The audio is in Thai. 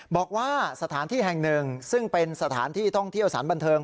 บอกว่าสถานที่แห่งหนึ่งซึ่งเป็นสถานที่ท่องเที่ยวสารบันเทิง